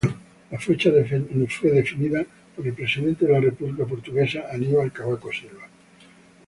La fecha fue definida por el presidente de la República Portuguesa, Aníbal Cavaco Silva.